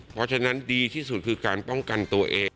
เพราะฉะนั้นดีที่สุดคือการป้องกันตัวเอง